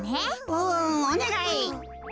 うんおねがい。